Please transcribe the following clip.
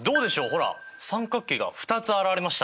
ほら三角形が２つ現れました！